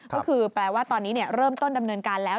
ก็คือแปลว่าตอนนี้เริ่มต้นดำเนินการแล้ว